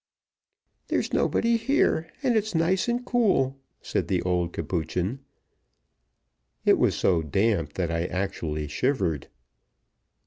"There's nobody here, and it's nice and cool," said the old Capuchin. It was so damp that I actually shivered.